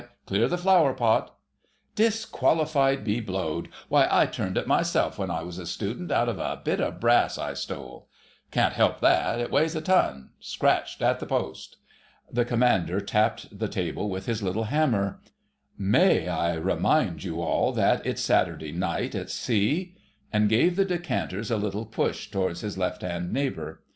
Clear that flower pot——" "Disqualified be blowed! Why, I turned it myself when I was a student, out of a bit of brass I stole——" "Can't help that; it weighs a ton—scratched at the post!" The Commander tapped the table with his little hammer— "May I remind you all that it's Saturday Night at Sea?" and gave the decanters a little push towards his left hand neighbour.